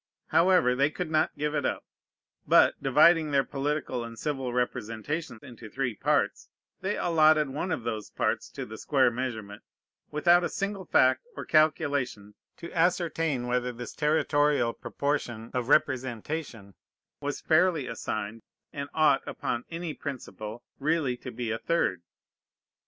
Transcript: However, they could not give it up, but, dividing their political and civil representation into three parts, they allotted one of those parts to the square measurement, without a single fact or calculation to ascertain whether this territorial proportion of representation was fairly assigned, and ought upon any principle really to be a third.